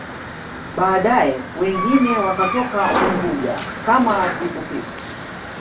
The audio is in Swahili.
Baadae wengine wakatoka Unguja kama Tippu Tip